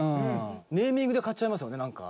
ネーミングで買っちゃいますよねなんか。